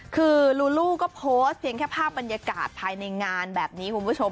คือลูลูก็โพสต์เพียงแค่ภาพบรรยากาศภายในงานแบบนี้คุณผู้ชม